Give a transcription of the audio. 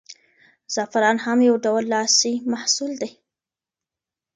زعفران هم یو ډول لاسي محصول دی.